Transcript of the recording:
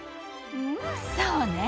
うんそうね